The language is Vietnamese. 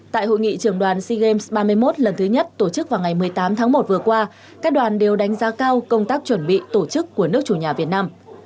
tại hội nghị trường đoàn sea games ba mươi một lần thứ nhất tổ chức vào ngày một mươi tám tháng một vừa qua các đoàn đều đánh giá cao công tác chuẩn bị tổ chức của nước chủ nhà việt nam